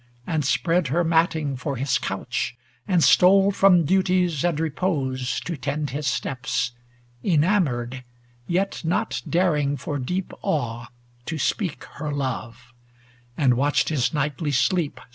And spread her matting for his couch, and stole From duties and repose to tend his steps, Enamoured, yet not daring for deep awe To speak her love, and watched his nightly sleep.